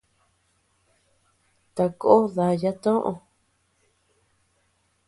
Takó daya toʼö.